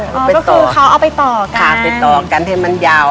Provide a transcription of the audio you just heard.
ก็คือเขาเอาไปต่อกันค่ะไปต่อกันให้มันยาว